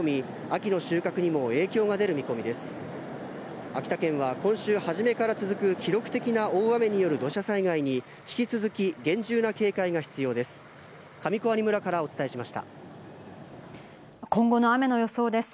秋田県は今週初めから続く記録的な大雨による土砂災害に引き続き厳重な警戒が必要です。